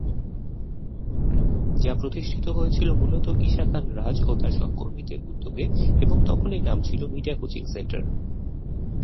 যা প্রতিষ্ঠিত হয়েছিল মূলত ঈশা খান রাজ ও তার সহকর্মীদের উদ্যোগে এবং তখন এর নাম ছিল মিডিয়া কোচিং সেন্টার।